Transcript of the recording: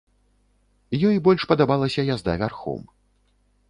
Ёй больш падабалася язда вярхом.